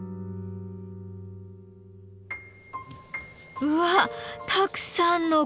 うわたくさんの氷！